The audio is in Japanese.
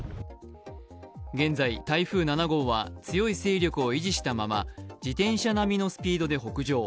現在、台風７号は強い勢力を維持したまま、自転車並みのスピードで北上。